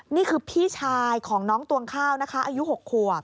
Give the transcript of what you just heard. นี่คือพี่ชายของน้องตวงข้าวนะคะอายุ๖ขวบ